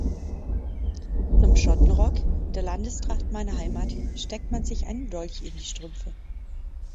Zum Schottenrock, der Landestracht meiner Heimat, steckt man sich einen Dolch in die Strümpfe.